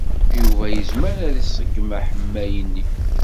Yuba yezmer ad iṣeggem aḥemmay-nni.